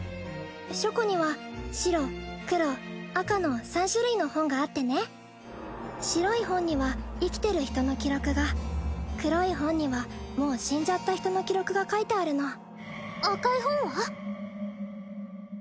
書庫には白黒赤の三種類の本があってね白い本には生きてる人の記録が黒い本にはもう死んじゃった人の記録が書いてあるの赤い本は？